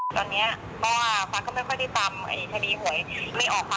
ไม่อยากจะไปเอาความคิดเห็นอะไรเลยค่ะ